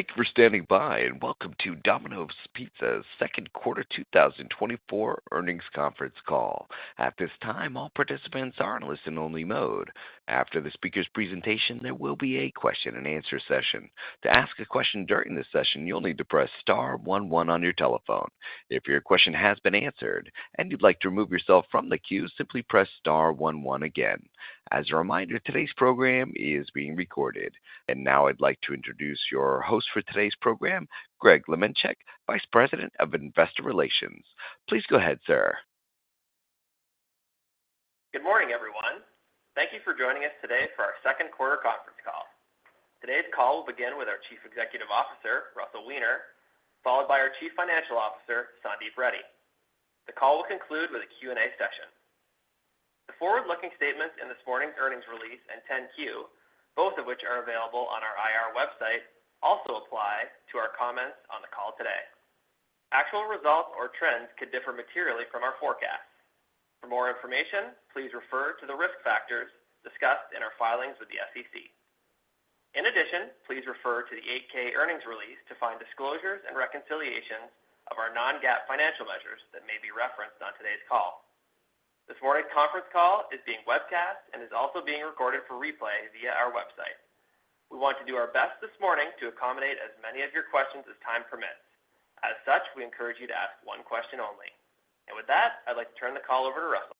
Thank you for standing by, and welcome to Domino's Pizza's Second Quarter 2024 Earnings Conference Call. At this time, all participants are in listen-only mode. After the speaker's presentation, there will be a question-and-answer session. To ask a question during this session, you'll need to press star one one on your telephone. If your question has been answered and you'd like to remove yourself from the queue, simply press star one one again. As a reminder, today's program is being recorded. Now I'd like to introduce your host for today's program, Greg Lemanczyk, Vice President of Investor Relations. Please go ahead, sir. Good morning, everyone. Thank you for joining us today for our second quarter conference call. Today's call will begin with our Chief Executive Officer, Russell Weiner, followed by our Chief Financial Officer, Sandeep Reddy. The call will conclude with a Q&A session. The forward-looking statements in this morning's earnings release and 10-Q, both of which are available on our IR website, also apply to our comments on the call today. Actual results or trends could differ materially from our forecasts. For more information, please refer to the risk factors discussed in our filings with the SEC. In addition, please refer to the 8-K earnings release to find disclosures and reconciliations of our non-GAAP financial measures that may be referenced on today's call. This morning's conference call is being webcast and is also being recorded for replay via our website. We want to do our best this morning to accommodate as many of your questions as time permits. As such, we encourage you to ask one question only. With that, I'd like to turn the call over to Russell.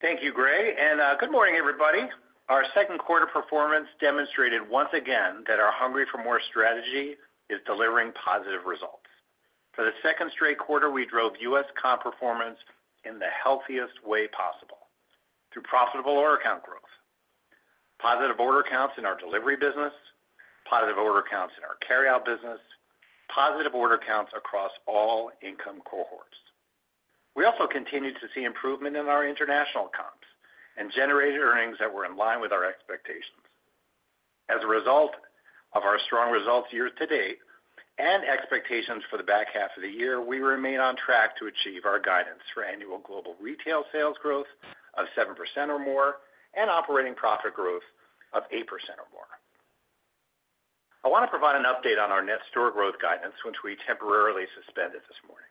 Thank you, Greg, and good morning, everybody. Our second quarter performance demonstrated once again that our Hungry for MORE strategy is delivering positive results. For the second straight quarter, we drove U.S. comp performance in the healthiest way possible: through profitable order count growth, positive order counts in our delivery business, positive order counts in our carryout business, positive order counts across all income cohorts. We also continued to see improvement in our international comps and generated earnings that were in line with our expectations. As a result of our strong results year to date and expectations for the back half of the year, we remain on track to achieve our guidance for annual global retail sales growth of 7% or more and operating profit growth of 8% or more. I wanna provide an update on our net store growth guidance, which we temporarily suspended this morning.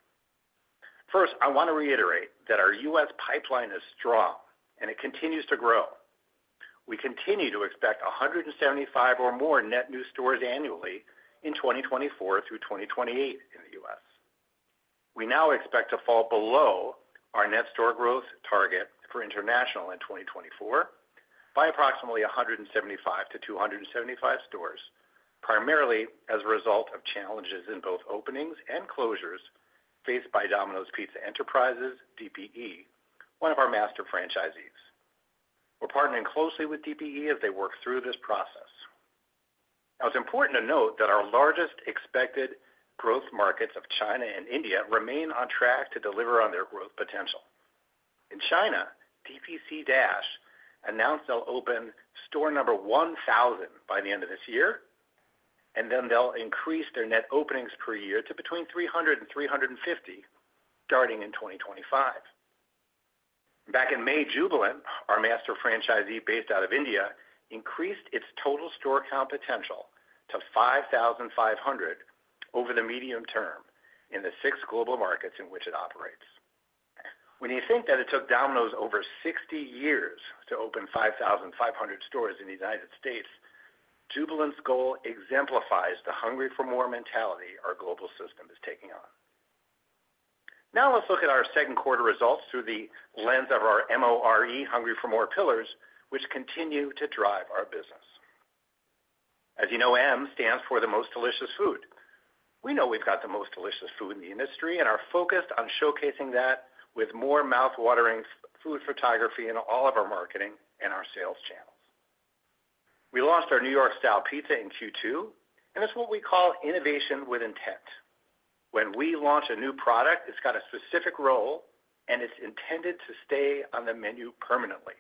First, I wanna reiterate that our U.S. pipeline is strong, and it continues to grow. We continue to expect 175 or more net new stores annually in 2024 through 2028 in the U.S. We now expect to fall below our net store growth target for international in 2024 by approximately 175-275 stores, primarily as a result of challenges in both openings and closures faced by Domino's Pizza Enterprises, DPE, one of our master franchisees. We're partnering closely with DPE as they work through this process. Now, it's important to note that our largest expected growth markets of China and India remain on track to deliver on their growth potential. In China, DPC Dash announced they'll open store number 1,000 by the end of this year, and then they'll increase their net openings per year to between 300 and 350, starting in 2025. Back in May, Jubilant, our master franchisee based out of India, increased its total store count potential to 5,500 over the medium term in the six global markets in which it operates. When you think that it took Domino's over 60 years to open 5,500 stores in the United States, Jubilant's goal exemplifies the Hungry for More mentality our global system is taking on. Now let's look at our second quarter results through the lens of our M-O-R-E, Hungry for More pillars, which continue to drive our business. As you know, M stands for the most delicious food. We know we've got the most delicious food in the industry and are focused on showcasing that with more mouth-watering food photography in all of our marketing and our sales channels. We launched our New York Style Pizza in Q2, and it's what we call innovation with intent. When we launch a new product, it's got a specific role, and it's intended to stay on the menu permanently.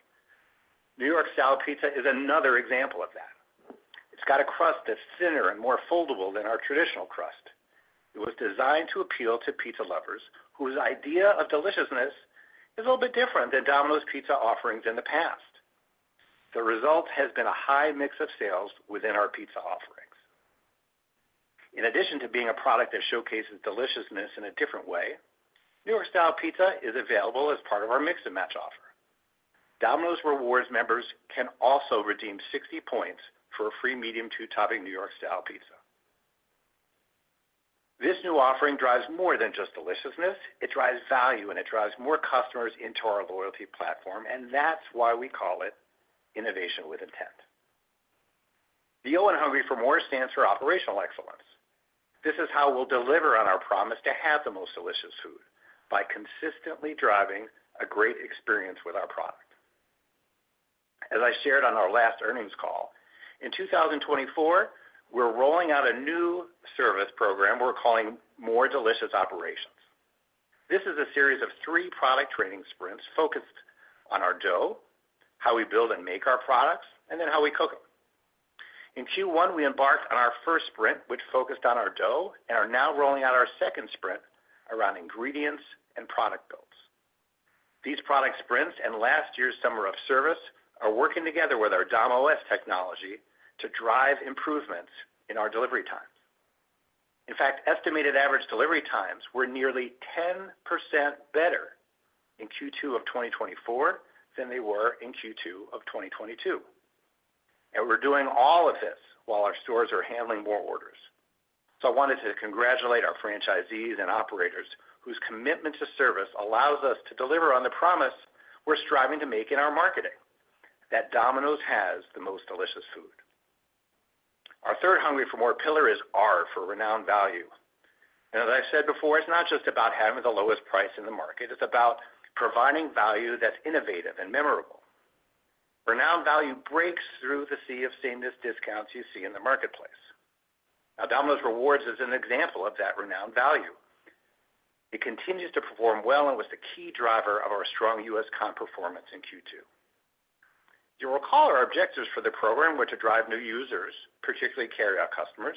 New York Style Pizza is another example of that. It's got a crust that's thinner and more foldable than our traditional crust. It was designed to appeal to pizza lovers whose idea of deliciousness is a little bit different than Domino's Pizza offerings in the past. The result has been a high mix of sales within our pizza offerings. In addition to being a product that showcases deliciousness in a different way, New York Style Pizza is available as part of our Mix & Match offer. Domino's Rewards members can also redeem 60 points for a free medium, two-topping New York Style Pizza. This new offering drives more than just deliciousness. It drives value, and it drives more customers into our loyalty platform, and that's why we call it innovation with intent. The O in Hungry for More stands for operational excellence. This is how we'll deliver on our promise to have the most delicious food, by consistently driving a great experience with our product. As I shared on our last earnings call, in 2024, we're rolling out a new service program we're calling More Delicious Operations. This is a series of three product training sprints focused on our dough, how we build and make our products, and then how we cook them. In Q1, we embarked on our first sprint, which focused on our dough and are now rolling out our second sprint around ingredients and product build. These product sprints and last year's Summer of Service are working together with our DomOS technology to drive improvements in our delivery times. In fact, estimated average delivery times were nearly 10% better in Q2 of 2024 than they were in Q2 of 2022. And we're doing all of this while our stores are handling more orders. So I wanted to congratulate our franchisees and operators, whose commitment to service allows us to deliver on the promise we're striving to make in our marketing, that Domino's has the most delicious food. Our third Hungry for More pillar is R for Renowned Value. As I've said before, it's not just about having the lowest price in the market, it's about providing value that's innovative and memorable. Renowned value breaks through the sea of sameness discounts you see in the marketplace. Now, Domino's Rewards is an example of that Renowned Value. It continues to perform well and was the key driver of our strong US comp performance in Q2. You'll recall our objectives for the program were to drive new users, particularly carry-out customers,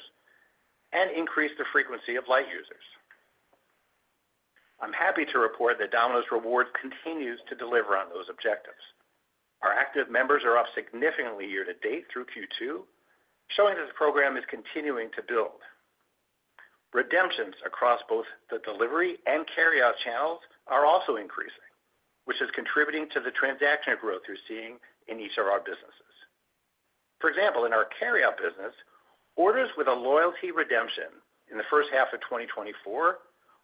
and increase the frequency of light users. I'm happy to report that Domino's Rewards continues to deliver on those objectives. Our active members are up significantly year to date through Q2, showing that the program is continuing to build. Redemptions across both the delivery and carryout channels are also increasing, which is contributing to the transaction growth we're seeing in each of our businesses. For example, in our carryout business, orders with a loyalty redemption in the first half of 2024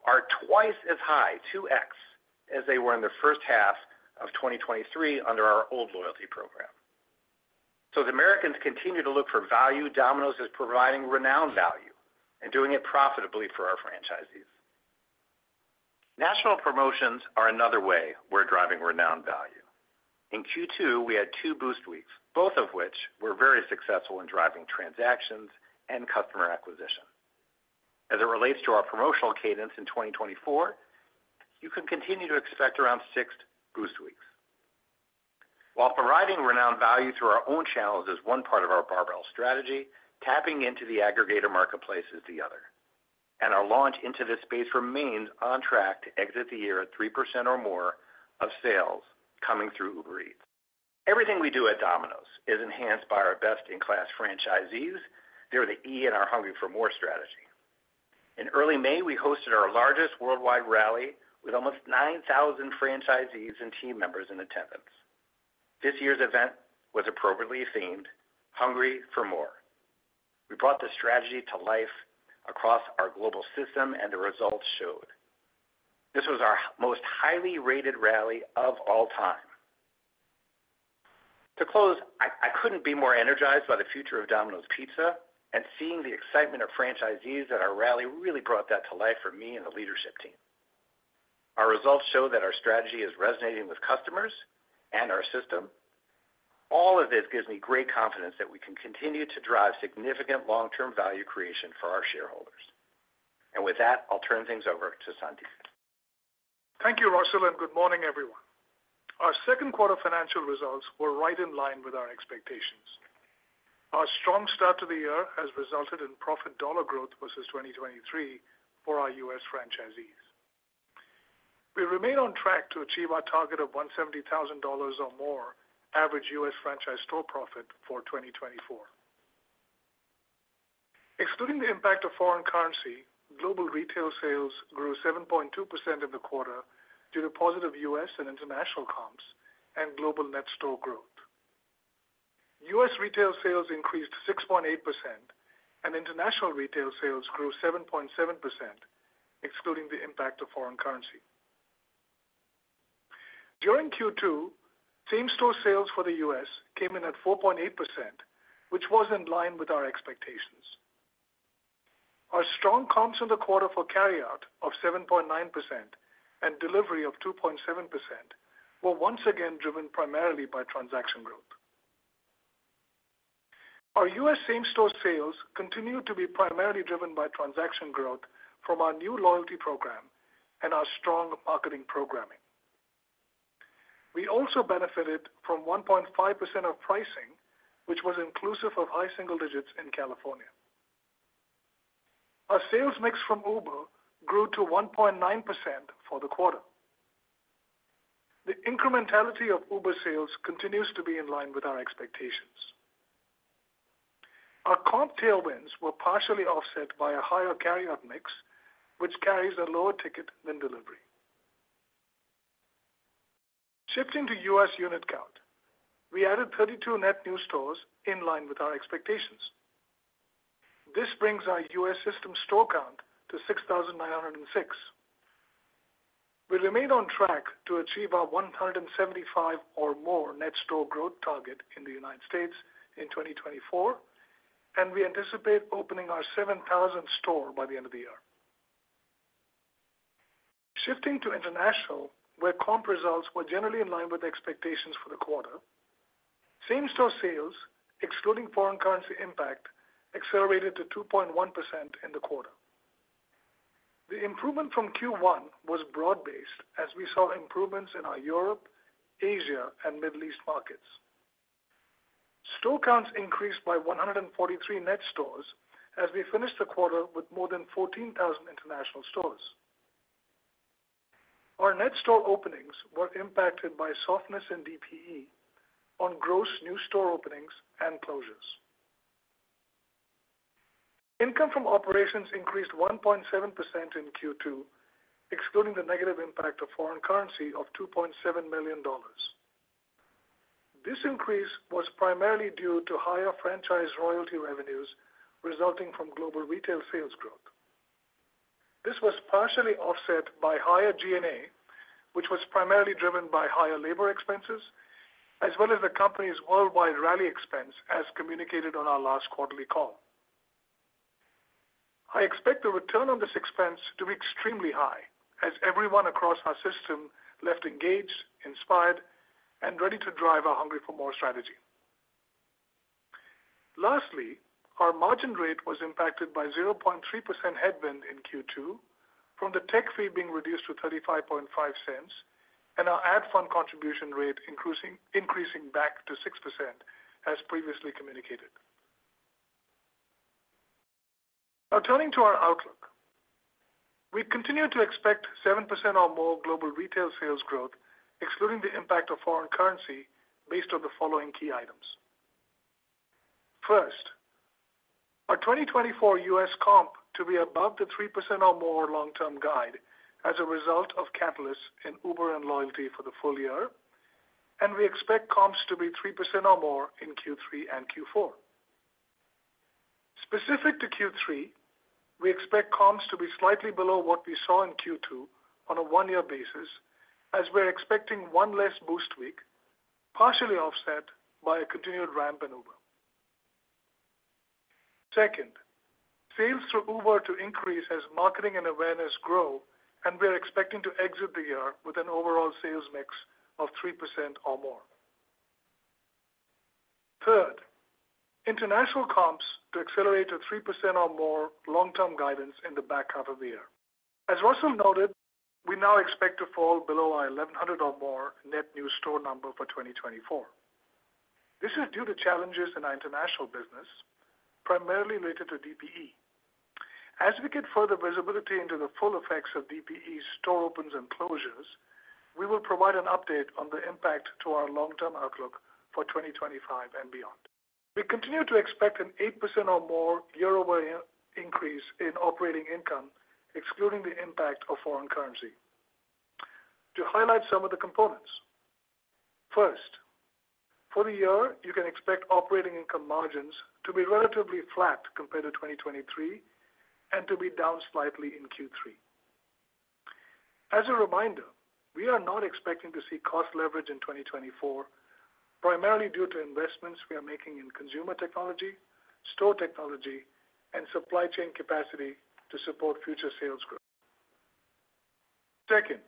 are twice as high, 2x, as they were in the first half of 2023 under our old loyalty program. So as Americans continue to look for value, Domino's is providing Renowned Value and doing it profitably for our franchisees. National promotions are another way we're driving Renowned Value. In Q2, we had two Boost Weeks, both of which were very successful in driving transactions and customer acquisition. As it relates to our promotional cadence in 2024, you can continue to expect around six Boost Weeks. While providing renowned value through our own channels is one part of our barbell strategy, tapping into the aggregator marketplace is the other, and our launch into this space remains on track to exit the year at 3% or more of sales coming through Uber Eats. Everything we do at Domino's is enhanced by our best-in-class franchisees. They are the E in our Hungry for More strategy. In early May, we hosted our largest Worldwide Rally with almost 9,000 franchisees and team members in attendance. This year's event was appropriately themed, Hungry for More. We brought the strategy to life across our global system, and the results showed. This was our most highly rated rally of all time. To close, I couldn't be more energized by the future of Domino's Pizza, and seeing the excitement of franchisees at our rally really brought that to life for me and the leadership team. Our results show that our strategy is resonating with customers and our system. All of this gives me great confidence that we can continue to drive significant long-term value creation for our shareholders. With that, I'll turn things over to Sandeep. Thank you, Russell, and good morning, everyone. Our second quarter financial results were right in line with our expectations. Our strong start to the year has resulted in profit dollar growth versus 2023 for our U.S. franchisees. We remain on track to achieve our target of $170,000 or more average U.S. franchise store profit for 2024. Excluding the impact of foreign currency, global retail sales grew 7.2% in the quarter due to positive U.S. and international comps and global net store growth. U.S. retail sales increased 6.8%, and international retail sales grew 7.7%, excluding the impact of foreign currency. During Q2, same-store sales for the U.S. came in at 4.8%, which was in line with our expectations. Our strong comps in the quarter for carryout of 7.9% and delivery of 2.7% were once again driven primarily by transaction growth. Our U.S. same-store sales continued to be primarily driven by transaction growth from our new loyalty program and our strong marketing programming. We also benefited from 1.5% of pricing, which was inclusive of high single digits in California. Our sales mix from Uber grew to 1.9% for the quarter. The incrementality of Uber sales continues to be in line with our expectations. Our comp tailwinds were partially offset by a higher carryout mix, which carries a lower ticket than delivery. Shifting to U.S. unit count, we added 32 net new stores in line with our expectations. This brings our U.S. system store count to 6,906. We remain on track to achieve our 175 or more net store growth target in the United States in 2024, and we anticipate opening our 7,000th store by the end of the year. Shifting to international, where comp results were generally in line with expectations for the quarter, same-store sales, excluding foreign currency impact, accelerated to 2.1% in the quarter. The improvement from Q1 was broad-based, as we saw improvements in our Europe, Asia, and Middle East markets.... Store counts increased by 143 net stores as we finished the quarter with more than 14,000 international stores. Our net store openings were impacted by softness in DPE on gross new store openings and closures. Income from operations increased 1.7% in Q2, excluding the negative impact of foreign currency of $2.7 million. This increase was primarily due to higher franchise royalty revenues resulting from global retail sales growth. This was partially offset by higher G&A, which was primarily driven by higher labor expenses, as well as the company's worldwide rally expense, as communicated on our last quarterly call. I expect the return on this expense to be extremely high, as everyone across our system left engaged, inspired, and ready to drive our Hungry for More strategy. Lastly, our margin rate was impacted by 0.3% headwind in Q2 from the tech fee being reduced to $0.355 and our ad fund contribution rate increasing, increasing back to 6%, as previously communicated. Now, turning to our outlook. We continue to expect 7% or more global retail sales growth, excluding the impact of foreign currency, based on the following key items. First, our 2024 U.S. comp to be above the 3% or more long-term guide as a result of catalysts in Uber and loyalty for the full year, and we expect comps to be 3% or more in Q3 and Q4. Specific to Q3, we expect comps to be slightly below what we saw in Q2 on a one-year basis, as we're expecting one less Boost Week, partially offset by a continued ramp in Uber. Second, sales through Uber to increase as marketing and awareness grow, and we are expecting to exit the year with an overall sales mix of 3% or more. Third, international comps to accelerate to 3% or more long-term guidance in the back half of the year. As Russell noted, we now expect to fall below our 1,100 or more net new store number for 2024. This is due to challenges in our international business, primarily related to DPE. As we get further visibility into the full effects of DPE's store opens and closures, we will provide an update on the impact to our long-term outlook for 2025 and beyond. We continue to expect an 8% or more year-over-year increase in operating income, excluding the impact of foreign currency. To highlight some of the components: First, for the year, you can expect operating income margins to be relatively flat compared to 2023 and to be down slightly in Q3. As a reminder, we are not expecting to see cost leverage in 2024, primarily due to investments we are making in consumer technology, store technology, and supply chain capacity to support future sales growth. Second,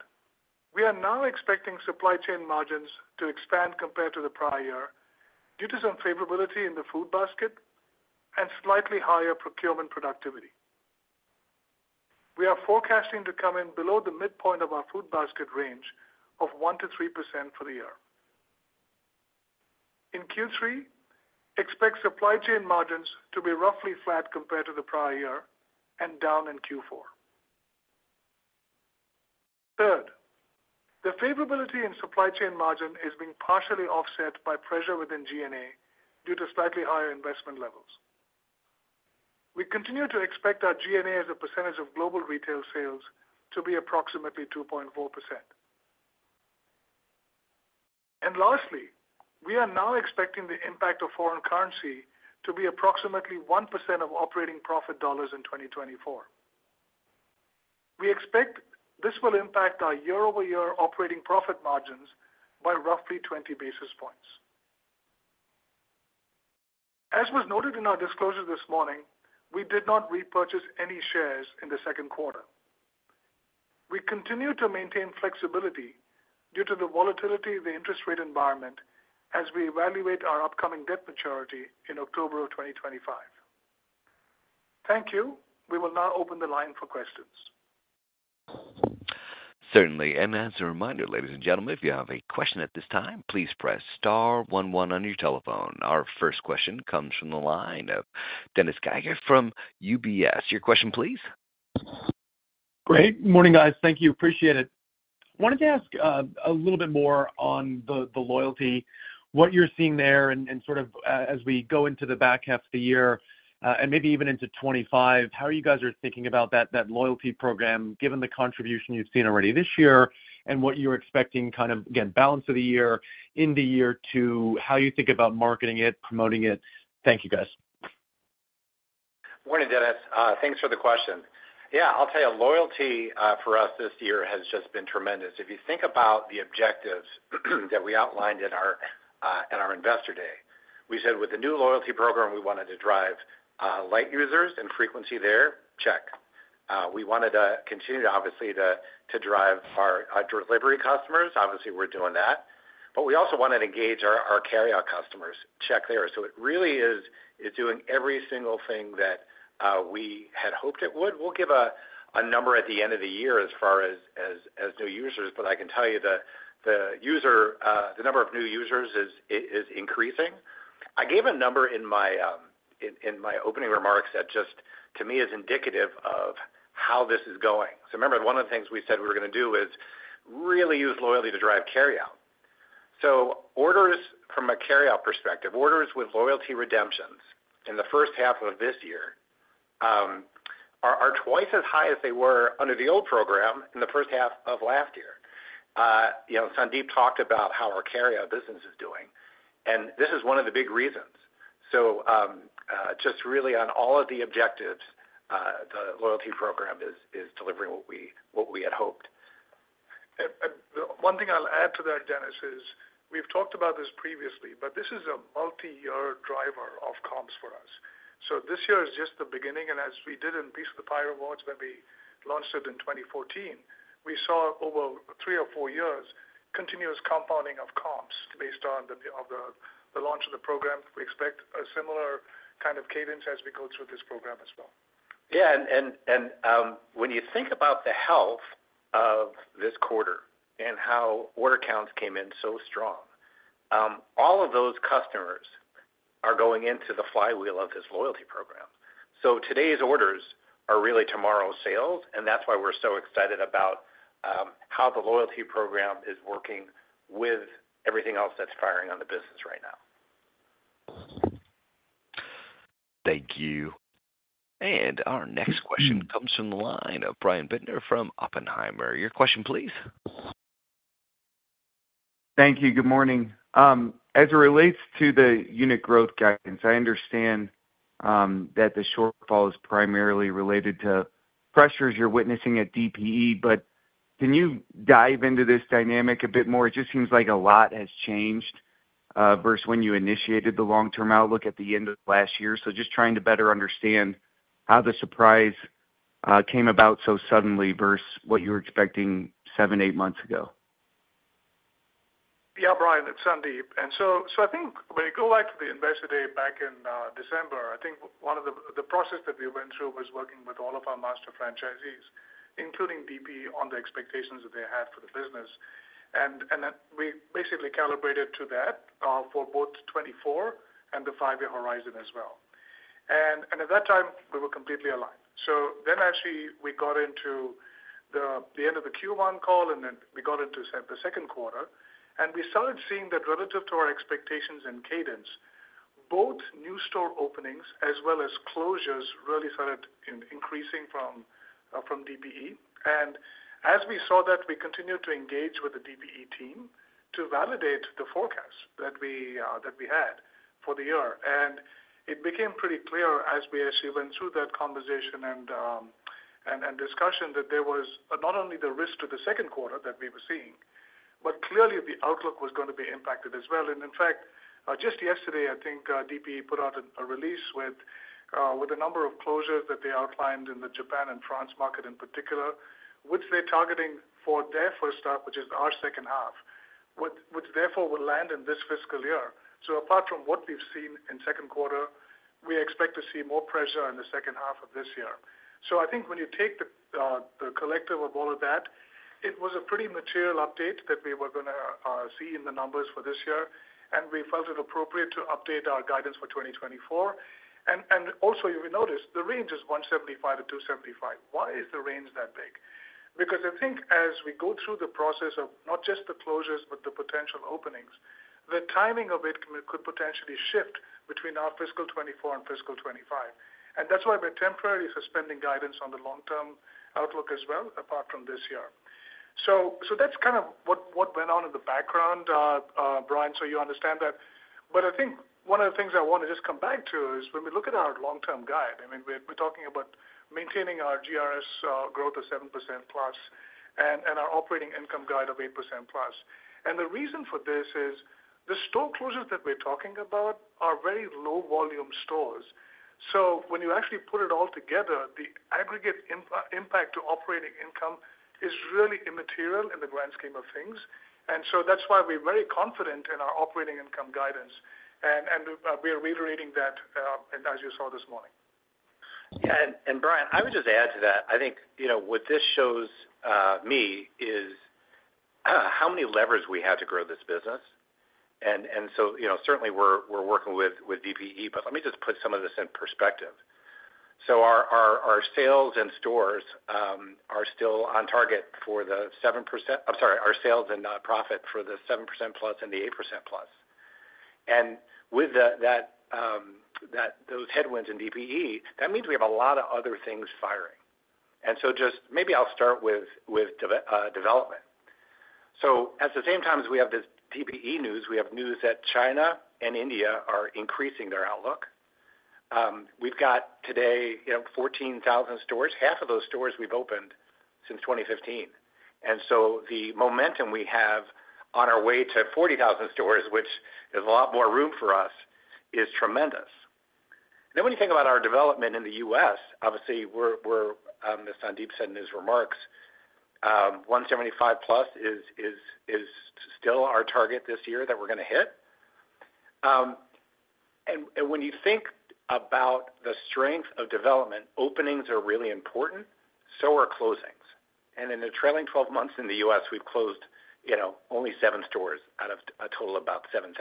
we are now expecting supply chain margins to expand compared to the prior year due to some favorability in the food basket and slightly higher procurement productivity. We are forecasting to come in below the midpoint of our food basket range of 1%-3% for the year. In Q3, expect supply chain margins to be roughly flat compared to the prior year and down in Q4. Third, the favorability in supply chain margin is being partially offset by pressure within G&A due to slightly higher investment levels. We continue to expect our G&A as a percentage of global retail sales to be approximately 2.4%. And lastly, we are now expecting the impact of foreign currency to be approximately 1% of operating profit dollars in 2024. We expect this will impact our year-over-year operating profit margins by roughly 20 basis points. As was noted in our disclosure this morning, we did not repurchase any shares in the second quarter. We continue to maintain flexibility due to the volatility of the interest rate environment as we evaluate our upcoming debt maturity in October of 2025. Thank you. We will now open the line for questions. Certainly. As a reminder, ladies and gentlemen, if you have a question at this time, please press star one one on your telephone. Our first question comes from the line of Dennis Geiger from UBS. Your question, please. Great. Morning, guys. Thank you. Appreciate it. Wanted to ask, a little bit more on the, the loyalty, what you're seeing there and, and sort of, as we go into the back half of the year, and maybe even into 25, how you guys are thinking about that, that loyalty program, given the contribution you've seen already this year and what you're expecting kind of, again, balance of the year, into year two, how you think about marketing it, promoting it? Thank you, guys. Morning, Dennis. Thanks for the question. Yeah, I'll tell you, loyalty for us this year has just been tremendous. If you think about the objectives that we outlined in our Investor Day, we said with the new loyalty program, we wanted to drive light users and frequency there. Check. We wanted to continue, obviously, to drive our delivery customers. Obviously, we're doing that. But we also wanted to engage our carryout customers. Check there. So it really is doing every single thing that we had hoped it would. We'll give a number at the end of the year as far as new users, but I can tell you that the number of new users is increasing. I gave a number in my opening remarks that just to me is indicative of how this is going. So remember, one of the things we said we were gonna do is really use loyalty to drive carry-out. So orders from a carry-out perspective, orders with loyalty redemptions in the first half of this year are twice as high as they were under the old program in the first half of last year. You know, Sandeep talked about how our carry-out business is doing, and this is one of the big reasons. So just really on all of the objectives, the loyalty program is delivering what we had hoped. And one thing I'll add to that, Dennis, is we've talked about this previously, but this is a multi-year driver of comps for us. So this year is just the beginning, and as we did in Piece of the Pie Rewards when we launched it in 2014, we saw over three or four years, continuous compounding of comps based on the launch of the program. We expect a similar kind of cadence as we go through this program as well. Yeah, when you think about the health of this quarter and how order counts came in so strong, all of those customers are going into the flywheel of this loyalty program. So today's orders are really tomorrow's sales, and that's why we're so excited about how the loyalty program is working with everything else that's firing on the business right now. Thank you. Our next question comes from the line of Brian Bittner from Oppenheimer. Your question, please. Thank you. Good morning. As it relates to the unit growth guidance, I understand that the shortfall is primarily related to pressures you're witnessing at DPE, but can you dive into this dynamic a bit more? It just seems like a lot has changed versus when you initiated the long-term outlook at the end of last year. So just trying to better understand how the surprise came about so suddenly versus what you were expecting seven, eight months ago. Yeah, Brian, it's Sandeep. So I think when you go back to the Investor Day back in December, I think one of the process that we went through was working with all of our master franchisees, including DPE, on the expectations that they had for the business. And then we basically calibrated to that for both 2024 and the five-year horizon as well. And at that time, we were completely aligned. So then actually, we got into the end of the Q1 call, and then we got into the second quarter, and we started seeing that relative to our expectations and cadence, both new store openings as well as closures really started increasing from DPE. As we saw that, we continued to engage with the DPE team to validate the forecast that we had for the year. It became pretty clear as we actually went through that conversation and discussion that there was not only the risk to the second quarter that we were seeing, but clearly the outlook was going to be impacted as well. In fact, just yesterday, I think, DPE put out a release with a number of closures that they outlined in the Japan and France market in particular, which they're targeting for their first half, which is our second half, which therefore will land in this fiscal year. So apart from what we've seen in second quarter, we expect to see more pressure in the second half of this year. So I think when you take the collective of all of that, it was a pretty material update that we were gonna see in the numbers for this year, and we felt it appropriate to update our guidance for 2024. And also, you will notice the range is 175-275. Why is the range that big? Because I think as we go through the process of not just the closures, but the potential openings, the timing of it could potentially shift between our fiscal 2024 and fiscal 2025. And that's why we're temporarily suspending guidance on the long-term outlook as well, apart from this year. So that's kind of what went on in the background, Brian, so you understand that. But I think one of the things I want to just come back to is when we look at our long-term guide, I mean, we're talking about maintaining our GRS growth of 7%+ and our operating income guide of 8%+. And the reason for this is, the store closures that we're talking about are very low volume stores. So when you actually put it all together, the aggregate impact to operating income is really immaterial in the grand scheme of things. And so that's why we're very confident in our operating income guidance, and we are reiterating that, as you saw this morning. Yeah, and Brian, I would just add to that. I think, you know, what this shows me is how many levers we have to grow this business. And so, you know, certainly we're working with DPE, but let me just put some of this in perspective. So our sales and stores are still on target for the 7%... I'm sorry, our sales and profit for the 7%+ and the 8%+. And with those headwinds in DPE, that means we have a lot of other things firing. And so just maybe I'll start with development. So at the same time as we have this DPE news, we have news that China and India are increasing their outlook. We've got today, you know, 14,000 stores, half of those stores we've opened since 2015. And so the momentum we have on our way to 40,000 stores, which is a lot more room for us, is tremendous. Then when you think about our development in the US, obviously we're, as Sandeep said in his remarks. 175 plus is still our target this year that we're gonna hit. And when you think about the strength of development, openings are really important, so are closings. And in the trailing twelve months in the US, we've closed, you know, only seven stores out of a total of about 7,000.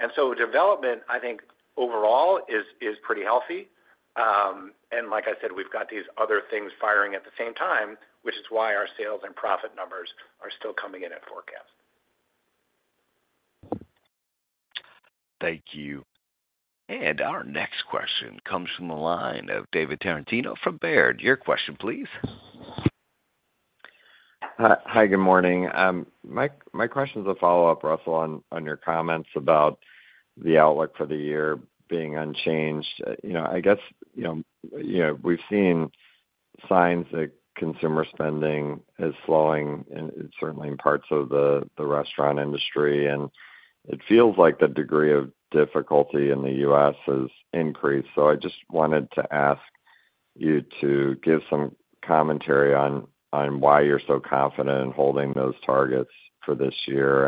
And so development, I think, overall is pretty healthy. And like I said, we've got these other things firing at the same time, which is why our sales and profit numbers are still coming in at forecast. Thank you. Our next question comes from the line of David Tarantino from Baird. Your question, please. Hi. Good morning. My question is a follow-up, Russell, on your comments about the outlook for the year being unchanged. You know, I guess, you know, you know, we've seen signs that consumer spending is slowing, and certainly in parts of the restaurant industry, and it feels like the degree of difficulty in the U.S. has increased. So I just wanted to ask you to give some commentary on why you're so confident in holding those targets for this year,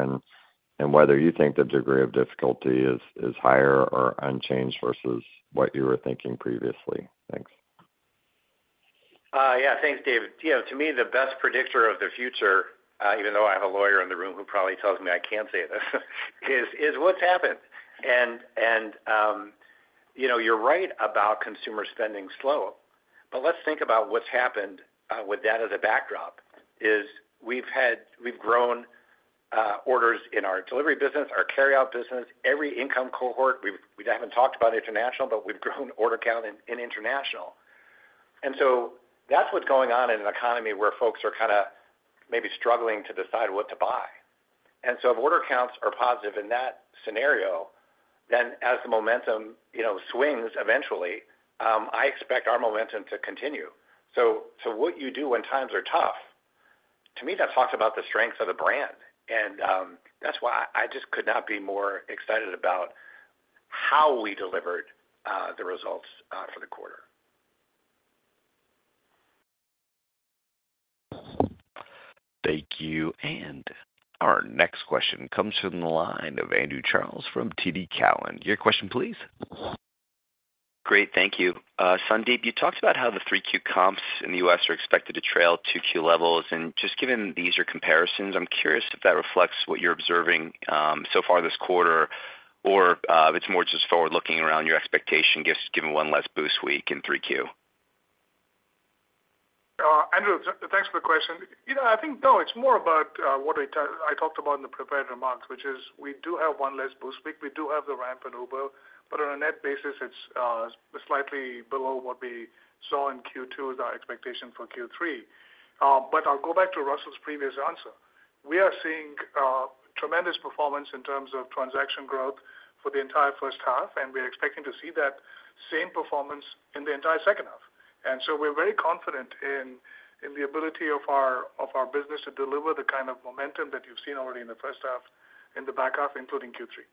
and whether you think the degree of difficulty is higher or unchanged versus what you were thinking previously. Thanks. Yeah. Thanks, David. You know, to me, the best predictor of the future, even though I have a lawyer in the room who probably tells me I can't say this, is what's happened. And you know, you're right about consumer spending slow. But let's think about what's happened, with that as a backdrop, is we've grown orders in our delivery business, our carryout business, every income cohort. We haven't talked about international, but we've grown order count in international. And so that's what's going on in an economy where folks are kind of maybe struggling to decide what to buy. And so if order counts are positive in that scenario, then as the momentum, you know, swings eventually, I expect our momentum to continue. What you do when times are tough, to me, that talks about the strength of the brand. That's why I just could not be more excited about how we delivered the results for the quarter. Thank you. And our next question comes from the line of Andrew Charles from TD Cowen. Your question, please. Great, thank you. Sandeep, you talked about how the 3Q comps in the US are expected to trail 2Q levels, and just given the easier comparisons, I'm curious if that reflects what you're observing, so far this quarter, or, if it's more just forward looking around your expectation, just given one less boost week in 3Q? Andrew, thanks for the question. You know, I think, no, it's more about what I talked about in the prepared remarks, which is we do have one less boost week. We do have the ramp in Uber, but on a net basis, it's slightly below what we saw in Q2 is our expectation for Q3. But I'll go back to Russell's previous answer. We are seeing tremendous performance in terms of transaction growth for the entire first half, and we're expecting to see that same performance in the entire second half. And so we're very confident in the ability of our business to deliver the kind of momentum that you've seen already in the first half, in the back half, including Q3.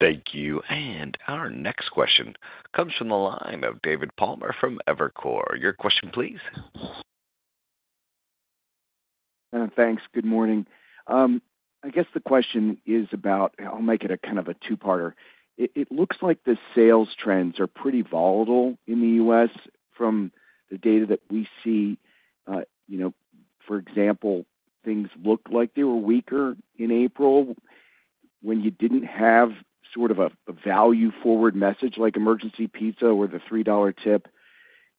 Thank you. Our next question comes from the line of David Palmer from Evercore. Your question, please. Thanks. Good morning. I guess the question is about... I'll make it a kind of a two-parter. It looks like the sales trends are pretty volatile in the U.S. from the data that we see. You know, for example, things looked like they were weaker in April when you didn't have sort of a value-forward message, like Emergency Pizza or the $3 tip.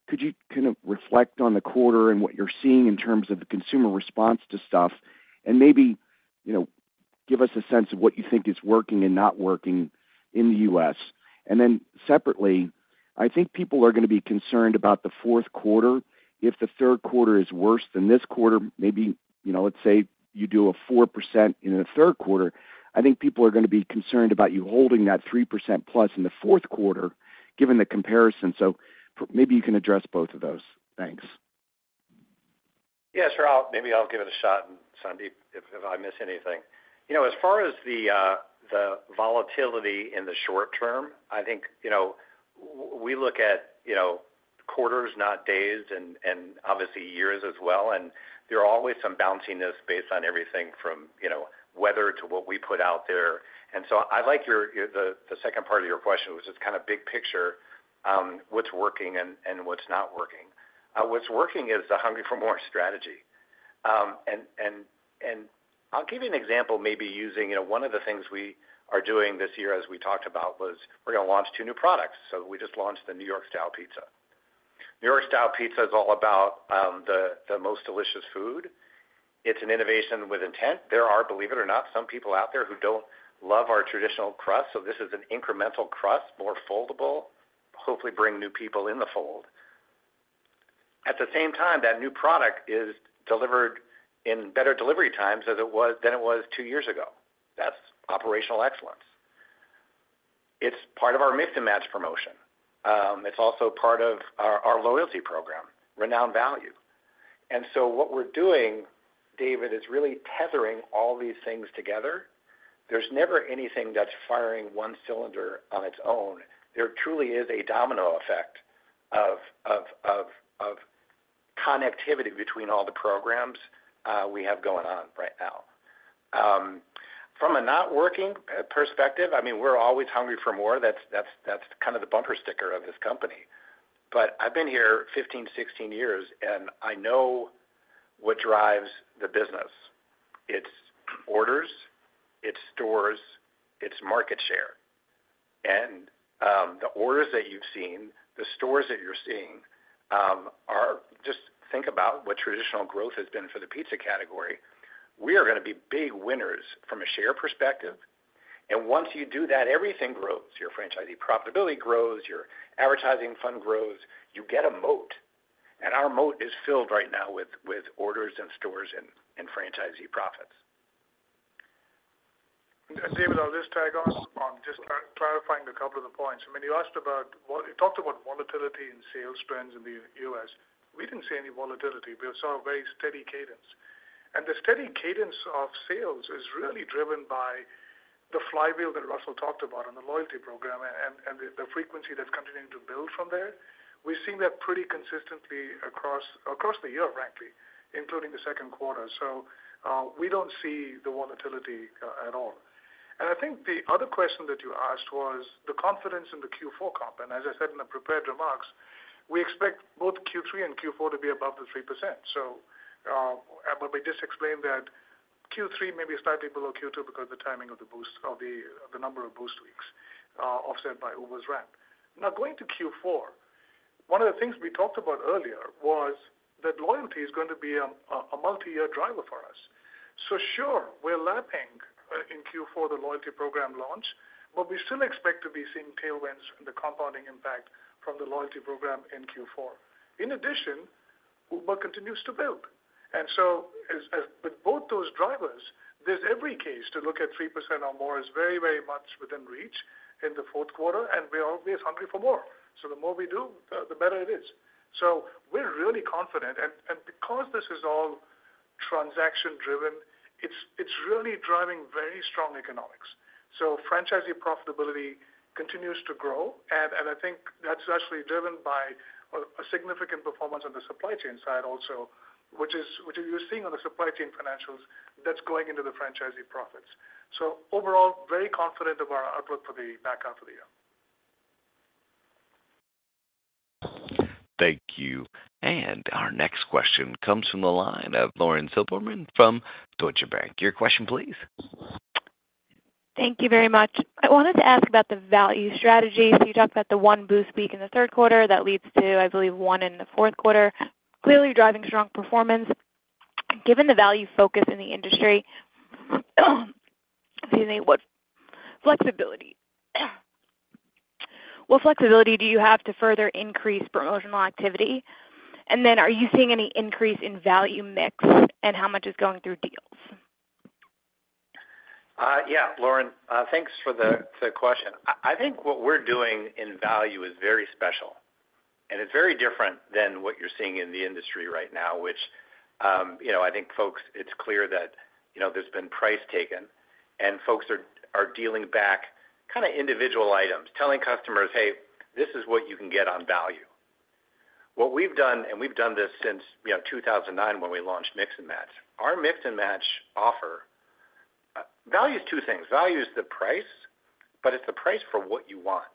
Could you kind of reflect on the quarter and what you're seeing in terms of the consumer response to stuff? And maybe, you know, give us a sense of what you think is working and not working in the U.S. And then separately, I think people are gonna be concerned about the fourth quarter. If the third quarter is worse than this quarter, maybe, you know, let's say you do a 4% in the third quarter, I think people are gonna be concerned about you holding that 3%+ in the fourth quarter, given the comparison. So maybe you can address both of those. Thanks. Yes, sure. I'll maybe give it a shot, and Sandeep, if I miss anything. You know, as far as the volatility in the short term, I think, you know, we look at, you know, quarters, not days, and obviously years as well, and there are always some bounciness based on everything from, you know, weather to what we put out there. So I like the second part of your question, which is kind of big picture, what's working and what's not working. What's working is the Hungry for More strategy. And I'll give you an example, maybe using, you know, one of the things we are doing this year, as we talked about, was we're gonna launch two new products. So we just launched the New York Style Pizza. New York-style pizza is all about the most delicious food. It's an innovation with intent. There are, believe it or not, some people out there who don't love our traditional crust, so this is an incremental crust, more foldable, hopefully bring new people in the fold. At the same time, that new product is delivered in better delivery times than it was two years ago. That's operational excellence. It's part of our Mix & Match promotion. It's also part of our loyalty program, Domino's Rewards. So what we're doing, David, is really tethering all these things together. There's never anything that's firing one cylinder on its own. There truly is a domino effect of connectivity between all the programs we have going on right now. From a not working perspective, I mean, we're always hungry for more. That's kind of the bumper sticker of this company. But I've been here 15, 16 years, and I know what drives the business. It's orders, it's stores, it's market share. And the orders that you've seen, the stores that you're seeing are. Just think about what traditional growth has been for the pizza category. We are gonna be big winners from a share perspective. And once you do that, everything grows. Your franchisee profitability grows, your advertising fund grows, you get a moat, and our moat is filled right now with orders and stores and franchisee profits. David, I'll just tag on, on just clarifying a couple of the points. When you asked about volatility in sales trends in the U.S. We didn't see any volatility. We saw a very steady cadence. And the steady cadence of sales is really driven by the flywheel that Russell talked about on the loyalty program and the frequency that's continuing to build from there. We've seen that pretty consistently across the year, frankly, including the second quarter. So, we don't see the volatility at all. And I think the other question that you asked was the confidence in the Q4 comp. And as I said in the prepared remarks, we expect both Q3 and Q4 to be above the 3%. So, but we just explained that Q3 may be slightly below Q2 because the timing of the boost weeks offset by Uber's ramp. Now, going to Q4, one of the things we talked about earlier was that loyalty is going to be a multi-year driver for us. So sure, we're lapping in Q4, the loyalty program launch, but we still expect to be seeing tailwinds and the compounding impact from the loyalty program in Q4. In addition, Uber continues to build. And so as with both those drivers, there's every case to look at 3% or more as very, very much within reach in the fourth quarter, and we are always hungry for more. So the more we do, the better it is. So we're really confident. And because this is all transaction driven, it's really driving very strong economics. So franchisee profitability continues to grow, and I think that's actually driven by a significant performance on the supply chain side also, which you're seeing on the supply chain financials, that's going into the franchisee profits. So overall, very confident of our outlook for the back half of the year. Thank you. Our next question comes from the line of Lauren Silberman from Deutsche Bank. Your question, please. Thank you very much. I wanted to ask about the value strategy. So you talked about the one boost week in the third quarter that leads to, I believe, one in the fourth quarter, clearly driving strong performance. Given the value focus in the industry, excuse me, what flexibility... What flexibility do you have to further increase promotional activity? And then are you seeing any increase in value mix, and how much is going through deals? Yeah, Lauren, thanks for the question. I think what we're doing in value is very special, and it's very different than what you're seeing in the industry right now, which, you know, I think folks, it's clear that, you know, there's been price taken, and folks are dealing back kind of individual items, telling customers, "Hey, this is what you can get on value." What we've done, and we've done this since, you know, 2009, when we launched Mix and Match. Our Mix and Match offer, value is two things: Value is the price, but it's the price for what you want.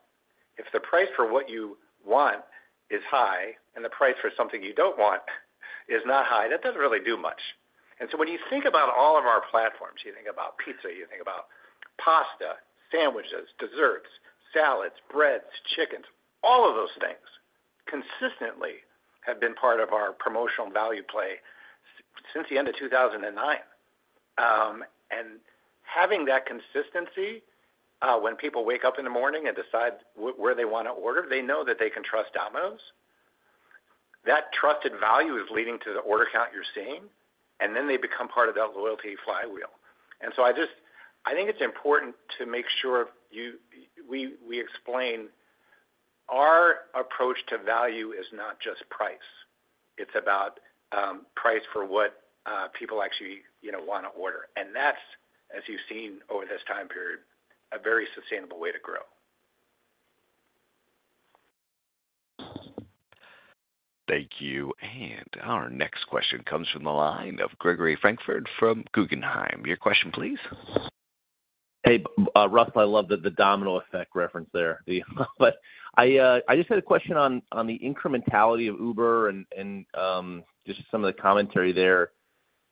If the price for what you want is high and the price for something you don't want is not high, that doesn't really do much. And so when you think about all of our platforms, you think about pizza, you think about pasta, sandwiches, desserts, salads, breads, chickens, all of those things consistently have been part of our promotional value plays since the end of 2009. And having that consistency, when people wake up in the morning and decide where they want to order, they know that they can trust Domino's. That trusted value is leading to the order count you're seeing, and then they become part of that loyalty flywheel. And so I just, I think it's important to make sure we explain our approach to value is not just price. It's about, price for what, people actually, you know, want to order. And that's, as you've seen over this time period, a very sustainable way to grow. Thank you. Our next question comes from the line of Gregory Francfort from Guggenheim. Your question, please. Hey, Russell, I love the domino effect reference there. But I just had a question on the incrementality of Uber and just some of the commentary there.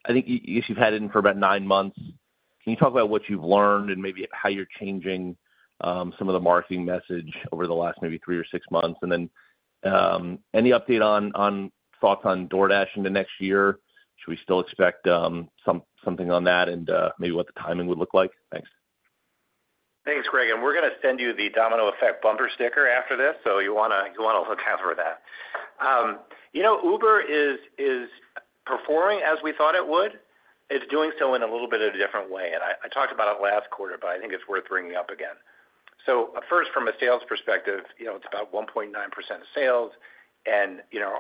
I think you guys, you've had it in for about 9 months. Can you talk about what you've learned and maybe how you're changing some of the marketing message over the last maybe 3 or 6 months? And then any update on thoughts on DoorDash into next year? Should we still expect something on that and maybe what the timing would look like? Thanks. Thanks, Greg, and we're gonna send you the domino effect bumper sticker after this, so you wanna, you wanna look out for that. You know, Uber is performing as we thought it would. It's doing so in a little bit of a different way, and I talked about it last quarter, but I think it's worth bringing up again. So first, from a sales perspective, you know, it's about 1.9% of sales, and, you know,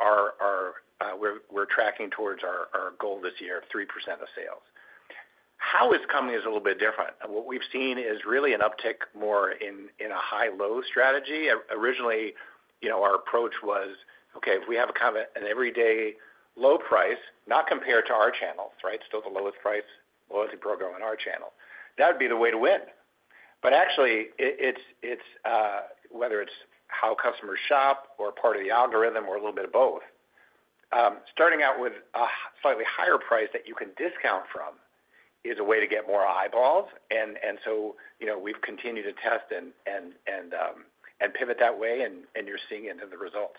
we're tracking towards our goal this year of 3% of sales. How it's coming is a little bit different, and what we've seen is really an uptick more in a high-low strategy. Originally, you know, our approach was, okay, if we have a kind of an everyday low price, not compared to our channels, right? Still the lowest price loyalty program in our channel. That would be the way to win. But actually, it's whether it's how customers shop or part of the algorithm or a little bit of both, starting out with a slightly higher price that you can discount from is a way to get more eyeballs. And so, you know, we've continued to test and pivot that way, and you're seeing it in the results.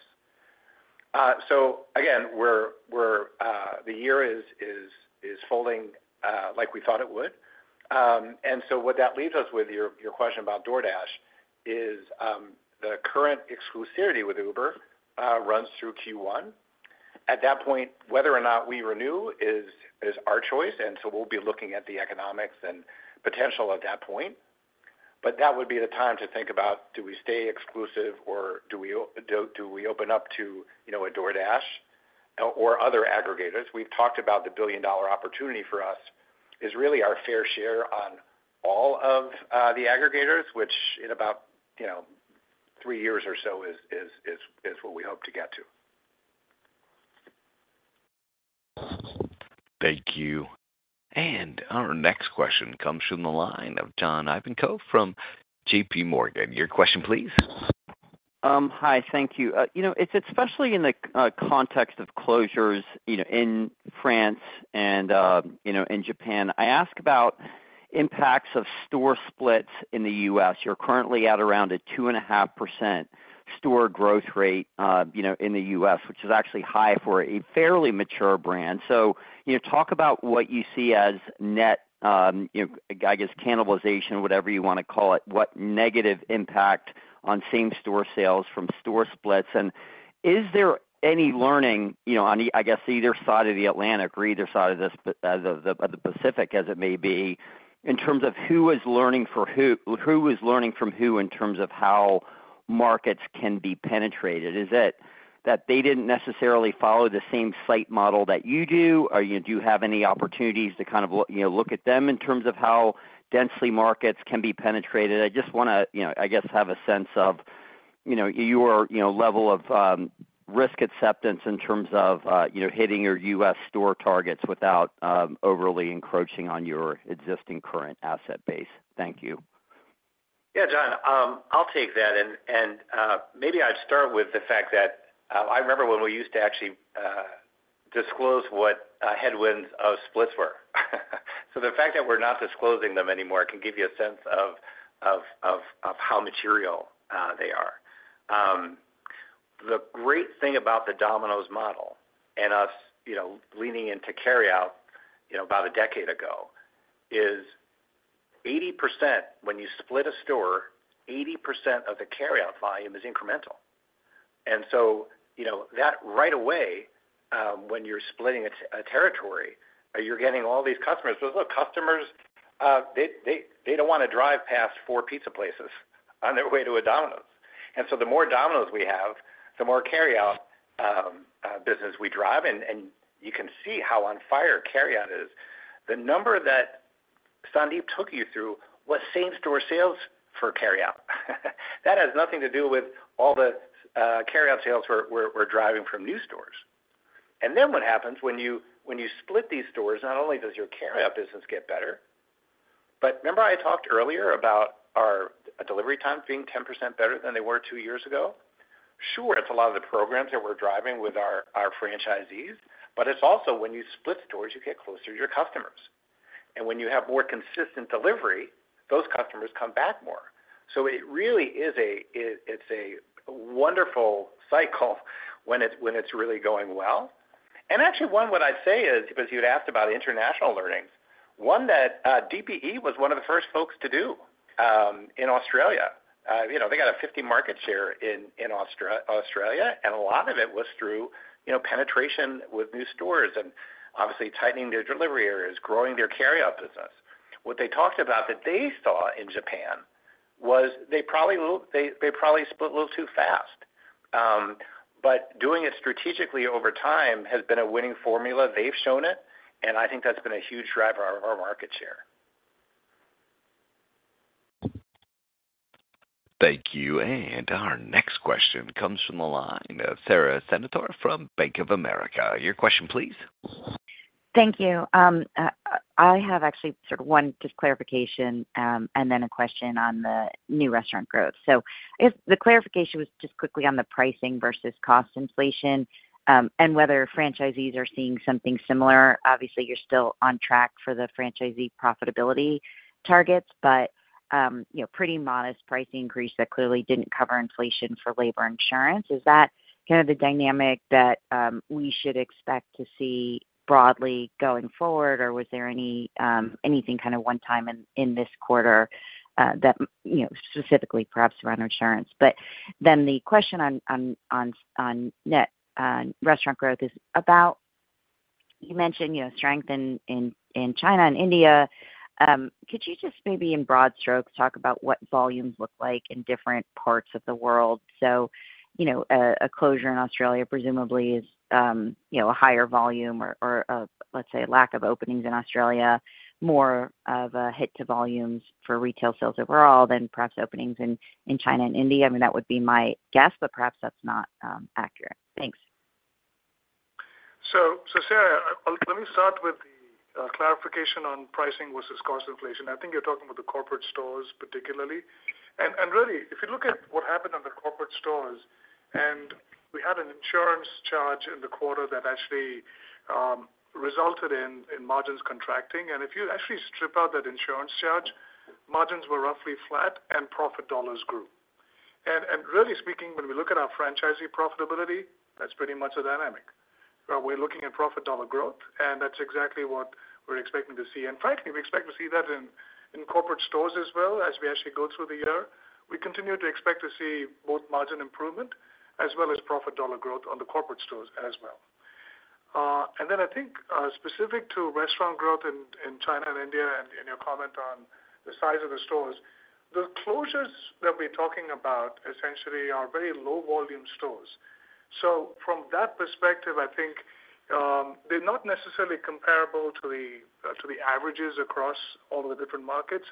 So again, we're the year is folding like we thought it would. And so what that leaves us with, your question about DoorDash is, the current exclusivity with Uber runs through Q1. At that point, whether or not we renew is our choice, and so we'll be looking at the economics and potential at that point. But that would be the time to think about, do we stay exclusive or do we open up to, you know, a DoorDash or other aggregators? We've talked about the billion-dollar opportunity for us is really our fair share on all of the aggregators, which in about, you know, three years or so, is what we hope to get to. Thank you. And our next question comes from the line of John Ivankoe from JP Morgan. Your question, please. Hi, thank you. You know, it's especially in the context of closures, you know, in France and, you know, in Japan, I ask about impacts of store splits in the U.S. You're currently at around a 2.5% store growth rate, you know, in the U.S., which is actually high for a fairly mature brand. So, you know, talk about what you see as net, you know, I guess cannibalization, whatever you wanna call it, what negative impact on same store sales from store splits? And is there any learning, you know, on, I guess, either side of the Atlantic or either side of this, the Pacific, as it may be, in terms of who is learning for who—who is learning from who in terms of how markets can be penetrated? Is it that they didn't necessarily follow the same site model that you do, or do you have any opportunities to kind of look, you know, look at them in terms of how densely markets can be penetrated? I just wanna, you know, I guess, have a sense of, you know, your, you know, level of risk acceptance in terms of, you know, hitting your U.S. store targets without, overly encroaching on your existing current asset base. Thank you. Yeah, John, I'll take that. And, maybe I'd start with the fact that, I remember when we used to actually, disclose what, headwinds of splits were. So the fact that we're not disclosing them anymore can give you a sense of, how material, they are. The great thing about the Domino's model and us, you know, leaning into carryout, you know, about a decade ago, is 80%, when you split a store, 80% of the carryout volume is incremental. And so, you know, that right away, when you're splitting a territory, you're getting all these customers. So look, customers, they don't wanna drive past four pizza places on their way to a Domino's. So the more Domino's we have, the more carryout business we drive, and you can see how on fire carryout is. The number that Sandeep took you through was same store sales for carryout. That has nothing to do with all the carryout sales we're driving from new stores. Then what happens when you split these stores, not only does your carryout business get better, but remember I talked earlier about our delivery times being 10% better than they were two years ago? Sure, it's a lot of the programs that we're driving with our franchisees, but it's also when you split stores, you get closer to your customers. When you have more consistent delivery, those customers come back more. So it really is a, it, it's a wonderful cycle when it's really going well. Actually, one, what I'd say is, because you'd asked about international learnings, one that DPE was one of the first folks to do in Australia. You know, they got a 50% market share in Australia, and a lot of it was through, you know, penetration with new stores and obviously tightening their delivery areas, growing their carryout business. What they talked about that they saw in Japan was they probably they probably split a little too fast. But doing it strategically over time has been a winning formula. They've shown it, and I think that's been a huge driver of our market share. Thank you. Our next question comes from the line of Sara Senatore from Bank of America. Your question, please. Thank you. I have actually sort of one just clarification, and then a question on the new restaurant growth. So if the clarification was just quickly on the pricing versus cost inflation, and whether franchisees are seeing something similar. Obviously, you're still on track for the franchisee profitability targets, but, you know, pretty modest price increase that clearly didn't cover inflation for labor insurance. Is that kind of the dynamic that we should expect to see broadly going forward, or was there any, anything kind of one time in this quarter, that, you know, specifically perhaps around insurance? But then the question on net restaurant growth is about-... You mentioned, you know, strength in China and India. Could you just maybe in broad strokes talk about what volumes look like in different parts of the world? So, you know, a closure in Australia presumably is, you know, a higher volume or let's say lack of openings in Australia, more of a hit to volumes for retail sales overall than perhaps openings in China and India. I mean, that would be my guess, but perhaps that's not accurate. Thanks. So, Sarah, let me start with the clarification on pricing versus cost inflation. I think you're talking about the corporate stores particularly. Really, if you look at what happened on the corporate stores, and we had an insurance charge in the quarter that actually resulted in margins contracting, and if you actually strip out that insurance charge, margins were roughly flat and profit dollars grew. Really speaking, when we look at our franchisee profitability, that's pretty much the dynamic. We're looking at profit dollar growth, and that's exactly what we're expecting to see. And frankly, we expect to see that in corporate stores as well as we actually go through the year. We continue to expect to see both margin improvement as well as profit dollar growth on the corporate stores as well. And then I think, specific to restaurant growth in China and India, and in your comment on the size of the stores, the closures that we're talking about essentially are very low volume stores. So from that perspective, I think, they're not necessarily comparable to the averages across all the different markets.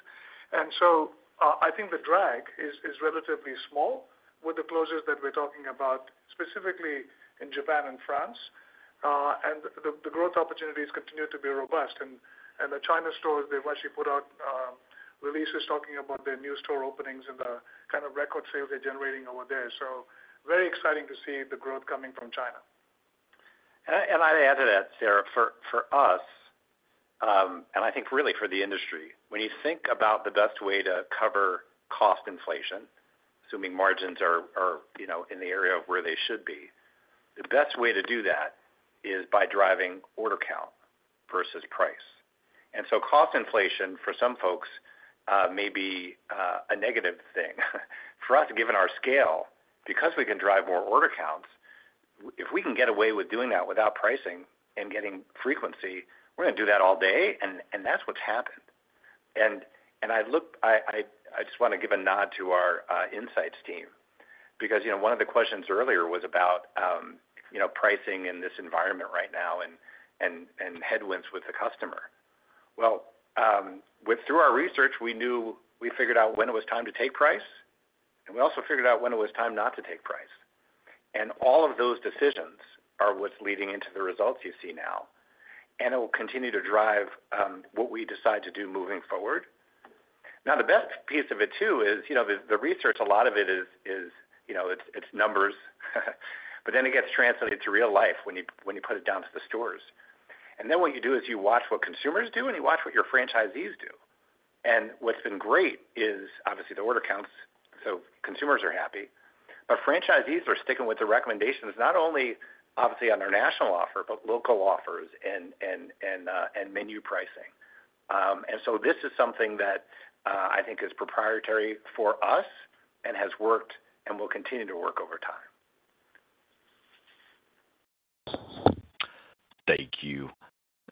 And so, I think the drag is relatively small with the closures that we're talking about, specifically in Japan and France. And the growth opportunities continue to be robust. And the China stores, they've actually put out releases talking about their new store openings and the kind of record sales they're generating over there. So very exciting to see the growth coming from China. And I'd add to that, Sara, for us, and I think really for the industry, when you think about the best way to cover cost inflation, assuming margins are, you know, in the area of where they should be, the best way to do that is by driving order count versus price. And so cost inflation, for some folks, may be a negative thing. For us, given our scale, because we can drive more order counts, if we can get away with doing that without pricing and getting frequency, we're gonna do that all day, and that's what's happened. And I look—I just wanna give a nod to our insights team, because, you know, one of the questions earlier was about, you know, pricing in this environment right now and headwinds with the customer. Well, through our research, we knew we figured out when it was time to take price, and we also figured out when it was time not to take price. And all of those decisions are what's leading into the results you see now, and it will continue to drive what we decide to do moving forward. Now, the best piece of it, too, is, you know, the research, a lot of it is, you know, it's numbers, but then it gets translated to real life when you put it down to the stores. And then what you do is you watch what consumers do, and you watch what your franchisees do. And what's been great is obviously the order counts, so consumers are happy, but franchisees are sticking with the recommendations, not only obviously on their national offer, but local offers and menu pricing. And so this is something that I think is proprietary for us and has worked and will continue to work over time. Thank you.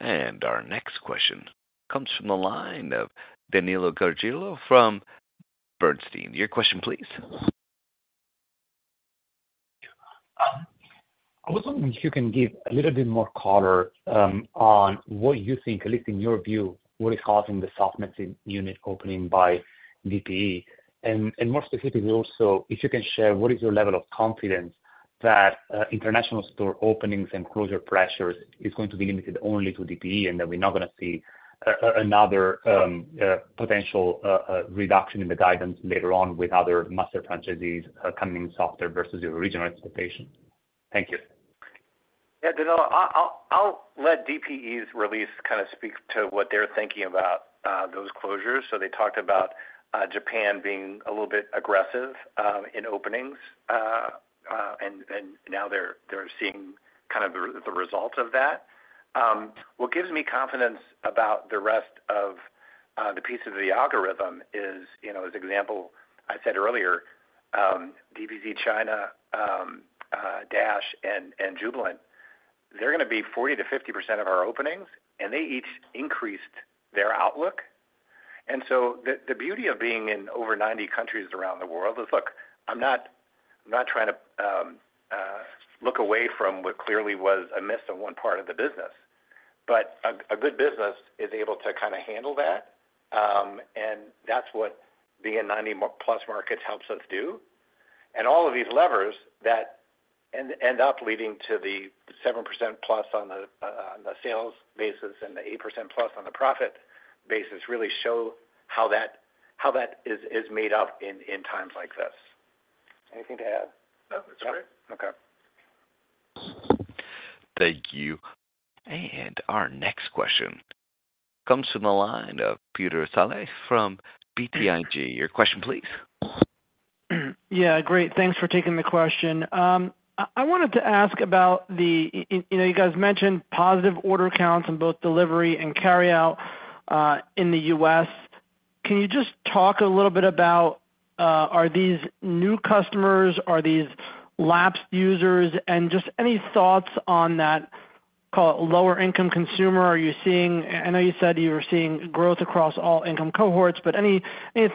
Our next question comes from the line of Danilo Gargiulo from Bernstein. Your question, please. I was wondering if you can give a little bit more color on what you think, at least in your view, what is causing the softness in unit opening by DPE? And more specifically, also, if you can share what is your level of confidence that international store openings and closure pressures is going to be limited only to DPE, and that we're not gonna see another potential reduction in the guidance later on with other master franchisees coming in softer versus your original expectations? Thank you. Yeah, Danilo, I'll let DPE's release kind of speak to what they're thinking about those closures. So they talked about Japan being a little bit aggressive in openings, and now they're seeing kind of the results of that. What gives me confidence about the rest of the piece of the algorithm is, you know, as an example, I said earlier, DPC Dash and Jubilant, they're gonna be 40%-50% of our openings, and they each increased their outlook. And so the beauty of being in over 90 countries around the world is, look, I'm not trying to look away from what clearly was a miss on one part of the business, but a good business is able to kind of handle that. And that's what being in 90-plus markets helps us do. And all of these levers that end up leading to the 7%+ on the sales basis and the 8%+ on the profit basis really show how that is made up in times like this. Anything to add? No, that's great. Okay. Thank you. And our next question comes from the line of Peter Saleh from BTIG. Your question, please. Yeah, great, thanks for taking the question. I wanted to ask about the. You know, you guys mentioned positive order counts in both delivery and carryout in the U.S.... Can you just talk a little bit about, are these new customers, are these lapsed users? And just any thoughts on that, call it, lower income consumer are you seeing? I know you said you were seeing growth across all income cohorts, but any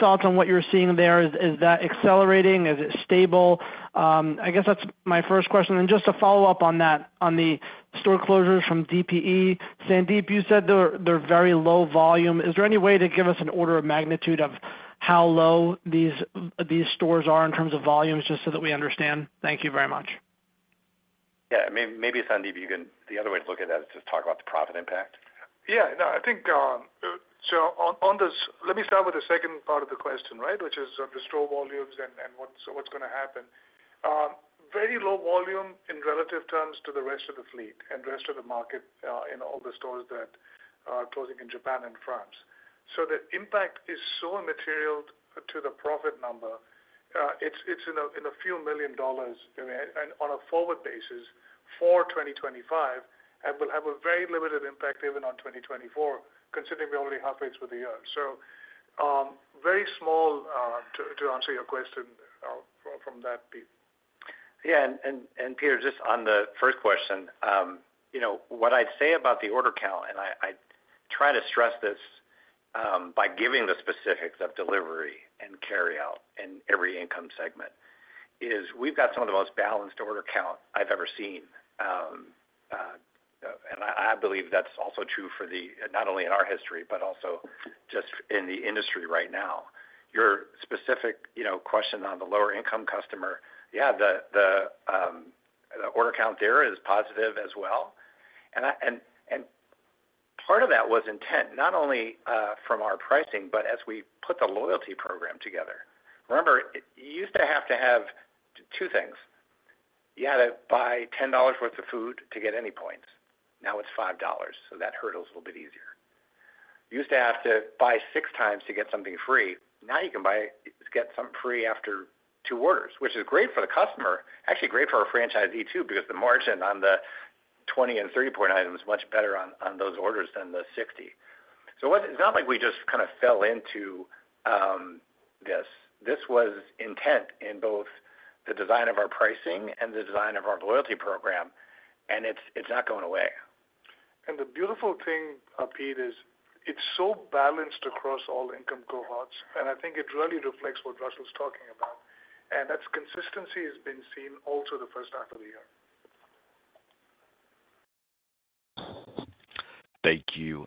thoughts on what you're seeing there? Is that accelerating? Is it stable? I guess that's my first question. And just to follow up on that, on the store closures from DPE, Sandeep, you said they're very low volume. Is there any way to give us an order of magnitude of how low these stores are in terms of volumes, just so that we understand? Thank you very much. Yeah, maybe, Sandeep, you can, the other way to look at that is just talk about the profit impact. Yeah, no, I think, so on, on this, let me start with the second part of the question, right? Which is the store volumes and, and what's, what's gonna happen. Very low volume in relative terms to the rest of the fleet and rest of the market, in all the stores that are closing in Japan and France. So the impact is so immaterial to the profit number, it's, it's in a, in a few million dollars, I mean, and on a forward basis for 2025, and will have a very limited impact even on 2024, considering we're only halfway through the year. So, very small, to, to answer your question, from that piece. Yeah, Peter, just on the first question, you know, what I'd say about the order count, and I try to stress this by giving the specifics of delivery and carryout in every income segment, is we've got some of the most balanced order count I've ever seen. And I believe that's also true for the not only in our history, but also just in the industry right now. Your specific, you know, question on the lower income customer, yeah, the order count there is positive as well. And part of that was intent, not only from our pricing, but as we put the loyalty program together. Remember, you used to have to have two things: You had to buy $10 worth of food to get any points. Now it's $5, so that hurdle's a little bit easier. You used to have to buy 6 times to get something free. Now you can buy, get some free after 2 orders, which is great for the customer, actually great for our franchisee, too, because the margin on the 20- and 30-point item is much better on, on those orders than the 60. So it's not like we just kind of fell into, um, this. This was intent in both the design of our pricing and the design of our loyalty program, and it's, it's not going away. The beautiful thing, Pete, is it's so balanced across all income cohorts, and I think it really reflects what Russell's talking about. And that consistency has been seen all through the first half of the year. Thank you.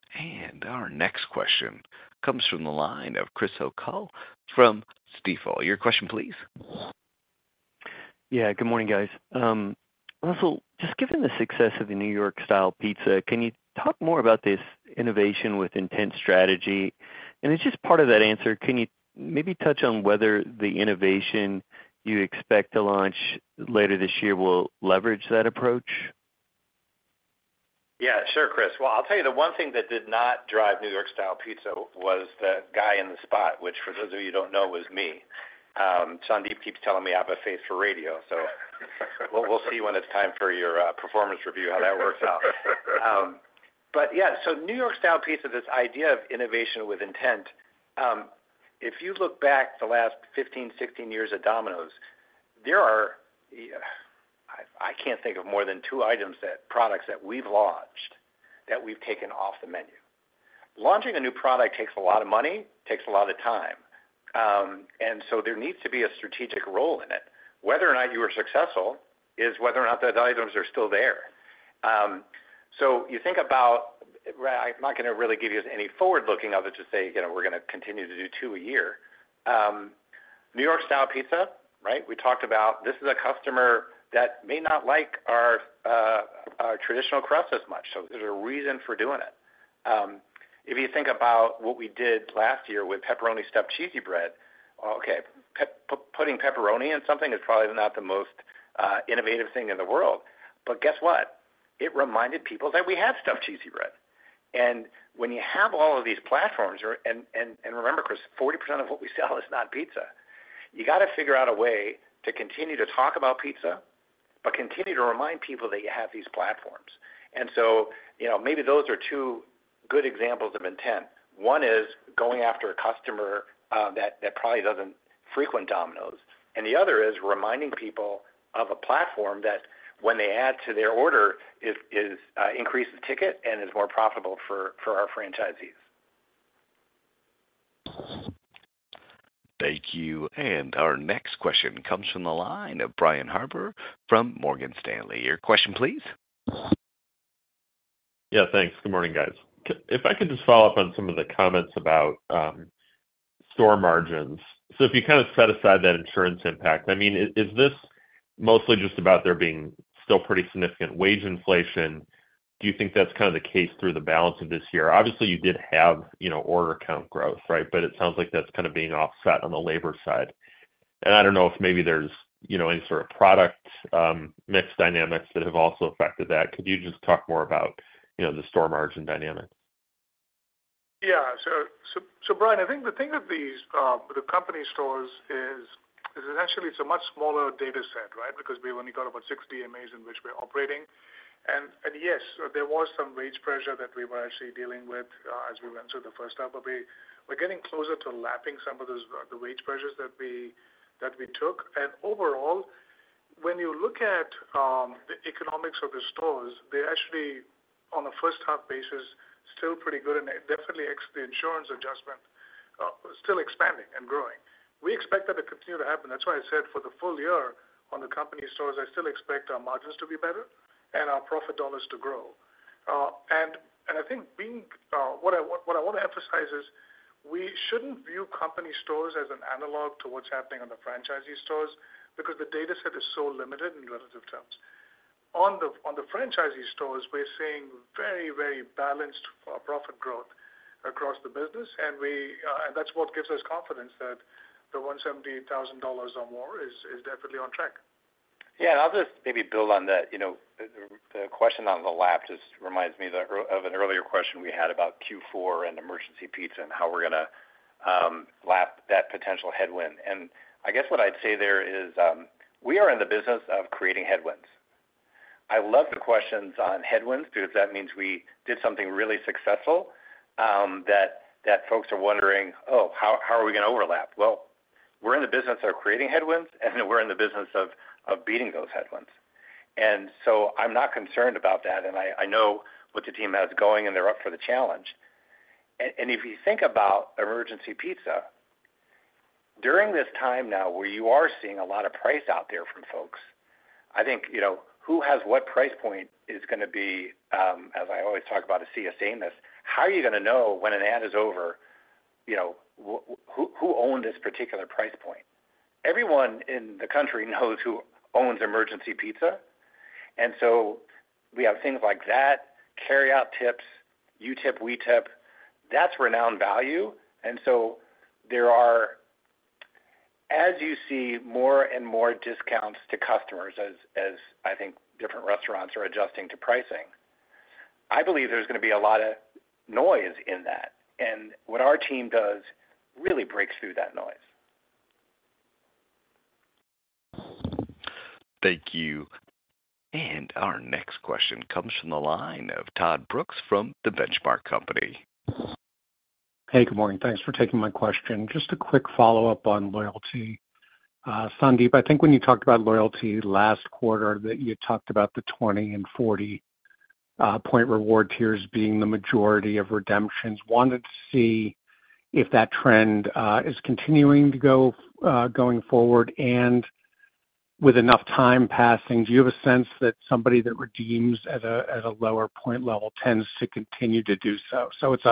Our next question comes from the line of Chris O'Cull from Stifel. Your question, please. Yeah, good morning, guys. Russell, just given the success of the New York-Style Pizza, can you talk more about this innovation with intent strategy? And it's just part of that answer, can you maybe touch on whether the innovation you expect to launch later this year will leverage that approach? Yeah, sure, Chris. Well, I'll tell you, the one thing that did not drive New York-style Pizza was the guy in the spot, which, for those of you who don't know, was me. Sandeep keeps telling me I have a face for radio, so we'll see when it's time for your performance review, how that works out. But yeah, so New York-style Pizza, this idea of innovation with intent, if you look back the last 15, 16 years at Domino's, there are, I can't think of more than two products that we've launched that we've taken off the menu. Launching a new product takes a lot of money, takes a lot of time, and so there needs to be a strategic role in it. Whether or not you are successful is whether or not those items are still there. So you think about... Well, I'm not gonna really give you any forward looking of it to say, you know, we're gonna continue to do two a year. New York-style pizza, right? We talked about this is a customer that may not like our, our traditional crust as much, so there's a reason for doing it. If you think about what we did last year with Pepperoni Stuffed Cheesy Bread, okay, putting pepperoni in something is probably not the most innovative thing in the world. But guess what? It reminded people that we had stuffed cheesy bread. And when you have all of these platforms, and, and, and remember, Chris, 40% of what we sell is not pizza. You got to figure out a way to continue to talk about pizza, but continue to remind people that you have these platforms. And so, you know, maybe those are two good examples of intent. One is going after a customer that probably doesn't frequent Domino's, and the other is reminding people of a platform that when they add to their order, increases the ticket and is more profitable for our franchisees. Thank you. Our next question comes from the line of Brian Harbour from Morgan Stanley. Your question, please. Yeah, thanks. Good morning, guys. If I could just follow up on some of the comments about store margins. So if you kind of set aside that insurance impact, I mean, is this mostly just about there being still pretty significant wage inflation? Do you think that's kind of the case through the balance of this year? Obviously, you did have, you know, order count growth, right? But it sounds like that's kind of being offset on the labor side. And I don't know if maybe there's, you know, any sort of product mix dynamics that have also affected that. Could you just talk more about, you know, the store margin dynamics? Yeah. So, Brian, I think the thing that the company stores is essentially it's a much smaller data set, right? Because we've only got about 60 MAs in which we're operating. And yes, there was some wage pressure that we were actually dealing with as we went through the first half. But we're getting closer to lapping some of those the wage pressures that we took. And overall, when you look at the economics of the stores, they're actually, on a first half basis, still pretty good and definitely ex the insurance adjustment still expanding and growing. We expect that to continue to happen. That's why I said for the full year on the company stores, I still expect our margins to be better and our profit dollars to grow. And I think what I want to emphasize is we shouldn't view company stores as an analog to what's happening on the franchisee stores because the data set is so limited in relative terms. On the franchisee stores, we're seeing very, very balanced profit growth across the business, and that's what gives us confidence that the $178,000 or more is definitely on track. Yeah, and I'll just maybe build on that. You know, the question on the lap just reminds me of an earlier question we had about Q4 and Emergency Pizza and how we're gonna lap that potential headwind. And I guess what I'd say there is, we are in the business of creating headwinds. I love the questions on headwinds because that means we did something really successful, that folks are wondering, "Oh, how are we gonna lap?" Well, we're in the business of creating headwinds, and we're in the business of beating those headwinds. And so I'm not concerned about that, and I know what the team has going, and they're up for the challenge. And if you think about Emergency Pizza, during this time now, where you are seeing a lot of price out there from folks, I think, you know, who has what price point is gonna be, as I always talk about at consumer savviness, how are you gonna know when an ad is over, you know, who owned this particular price point? Everyone in the country knows who owns Emergency Pizza, and so we have things like that, Carryout Tips, You Tip, We Tip. That's renowned value. And so there are. As you see more and more discounts to customers, as I think different restaurants are adjusting to pricing, I believe there's gonna be a lot of noise in that. And what our team does really breaks through that noise. Thank you. Our next question comes from the line of Todd Brooks, from The Benchmark Company. Hey, good morning. Thanks for taking my question. Just a quick follow-up on loyalty. Sandeep, I think when you talked about loyalty last quarter, that you talked about the 20- and 40-point reward tiers being the majority of redemptions. Wanted to see if that trend is continuing to go going forward. And with enough time passing, do you have a sense that somebody that redeems at a lower point level tends to continue to do so? So it's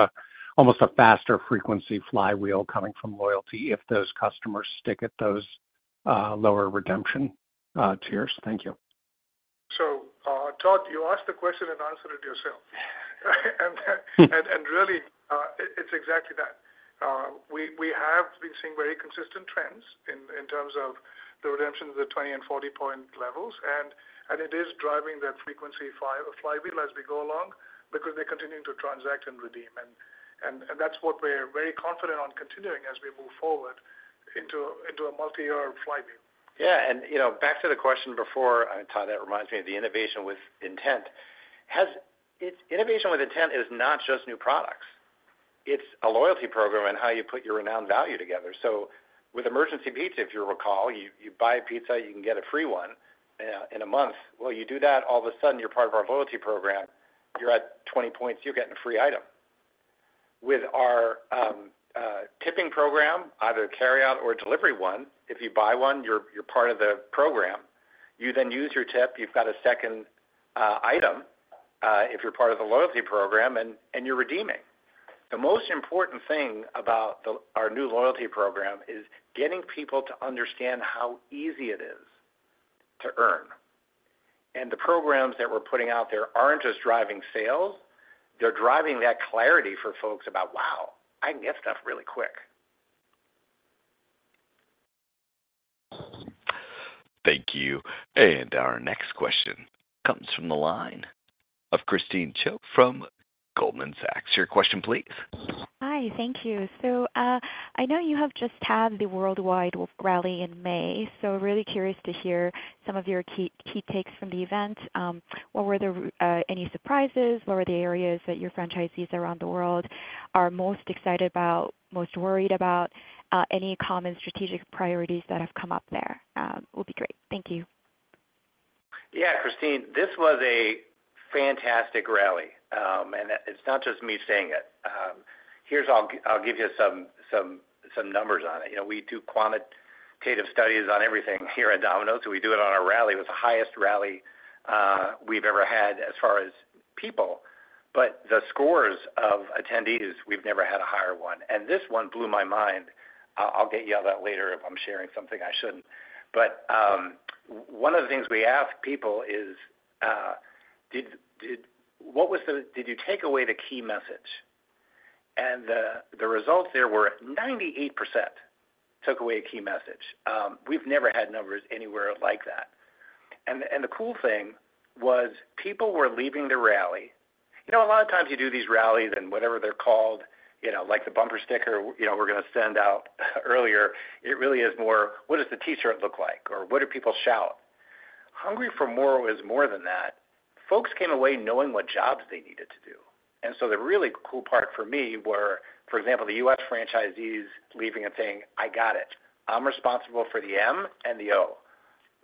almost a faster frequency flywheel coming from loyalty, if those customers stick at those lower redemption tiers. Thank you. So, Todd, you asked the question and answered it yourself. Really, it's exactly that. We have been seeing very consistent trends in terms of the redemption of the 20 and 40-point levels, and it is driving that frequency flywheel as we go along, because they're continuing to transact and redeem. That's what we're very confident on continuing as we move forward into a multiyear flywheel. Yeah, and, you know, back to the question before, Todd, that reminds me of the innovation with intent. Innovation with intent is not just new products. It's a loyalty program and how you put your renowned value together. So with Emergency Pizza, if you recall, you buy a pizza, you can get a free one in a month. Well, you do that, all of a sudden, you're part of our loyalty program. You're at 20 points, you're getting a free item. With our tipping program, either carryout or delivery one, if you buy one, you're part of the program. You then use your tip, you've got a second item if you're part of the loyalty program, and you're redeeming. The most important thing about our new loyalty program is getting people to understand how easy it is to earn. The programs that we're putting out there aren't just driving sales, they're driving that clarity for folks about, "Wow, I can get stuff really quick. Thank you. And our next question comes from the line of Christine Cho from Goldman Sachs. Your question, please. Hi, thank you. So, I know you have just had the worldwide rally in May, so really curious to hear some of your key, key takes from the event. What were any surprises? What were the areas that your franchisees around the world are most excited about, most worried about? Any common strategic priorities that have come up there will be great. Thank you. Yeah, Christine, this was a fantastic rally. And it's not just me saying it. Here's, I'll give you some numbers on it. You know, we do quantitative studies on everything here at Domino's, so we do it on our rally. It was the highest rally we've ever had as far as people, but the scores of attendees, we've never had a higher one. And this one blew my mind. I'll get you out later if I'm sharing something I shouldn't. But one of the things we ask people is, did you take away the key message? And the results there were 98% took away a key message. We've never had numbers anywhere like that. And the cool thing was people were leaving the rally... You know, a lot of times you do these rallies and whatever they're called, you know, like the bumper sticker, you know, we're gonna send out earlier, it really is more, what does the T-shirt look like? Or what do people shout? Hungry for More is more than that. Folks came away knowing what jobs they needed to do. And so the really cool part for me were, for example, the U.S. franchisees leaving and saying: I got it. I'm responsible for the M and the O,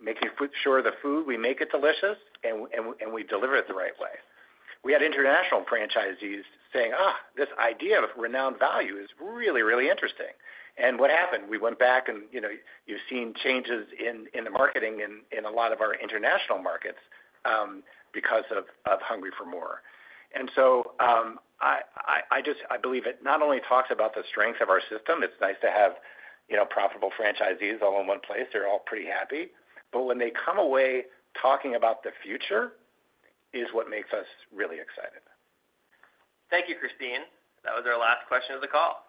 making sure the food we make it delicious, and we deliver it the right way. We had international franchisees saying, "Ah, this idea of renowned value is really, really interesting." And what happened? We went back and, you know, you've seen changes in the marketing in a lot of our international markets because of Hungry for More. And so, I just believe it not only talks about the strength of our system, it's nice to have, you know, profitable franchisees all in one place. They're all pretty happy. But when they come away talking about the future, is what makes us really excited. Thank you, Christine. That was our last question of the call.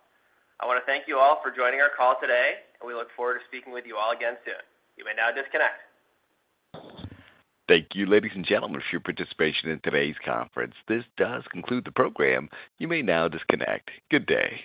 I want to thank you all for joining our call today, and we look forward to speaking with you all again soon. You may now disconnect. Thank you, ladies and gentlemen, for your participation in today's conference. This does conclude the program. You may now disconnect. Good day!